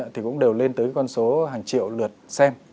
thì cũng đều lên tới con số hàng triệu lượt xem